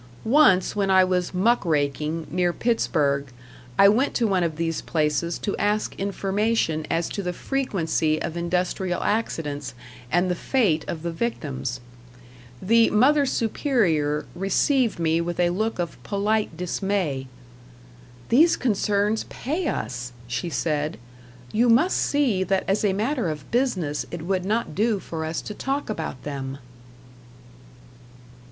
Once when I was "muck raking" near Pittsburgh, I went to one of these places to ask information as to the frequency of industrial accidents and the fate of the victims. The "Mother Superior" received me with a look of polite dismay. "These concerns pay us!" she said. "You must see that as a matter of business it would not do for us to talk about them."